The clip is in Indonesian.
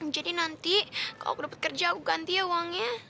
jadi nanti kalau gue dapet kerja aku ganti ya uangnya